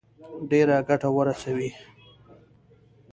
ډېره ګټه ورسوي.